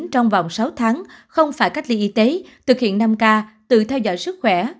trong vòng sáu tháng không phải cách ly y tế thực hiện năm k tự theo dõi sức khỏe